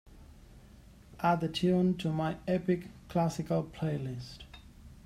Add the tune to my Epic Classical playlist.